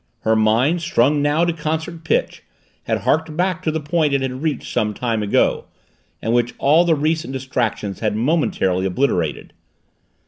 Her mind, strung now to concert pitch, had harked back to the point it had reached some time ago, and which all the recent distractions had momentarily obliterated.